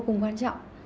vô cùng quan trọng